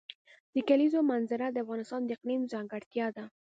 د کلیزو منظره د افغانستان د اقلیم ځانګړتیا ده.